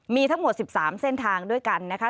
มีทั้งหมด๑๓เส้นทางด้วยกันนะคะ